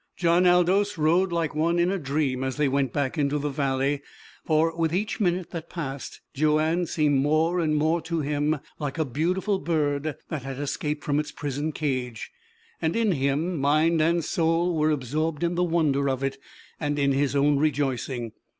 John Aldous rode like one in a dream as they went back into the valley, for with each minute that passed Joanne seemed more and more to him like a beautiful bird that had escaped from its prison cage, and in him mind and soul were absorbed in the wonder of it and in his own rejoicing.